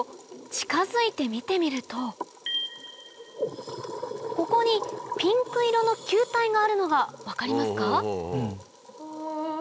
近づいて見てみるとここにピンク色の球体があるのが分かりますか？